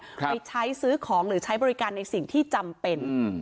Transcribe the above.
ไปใช้ซื้อของหรือใช้บริการในสิ่งที่จำเป็นอืม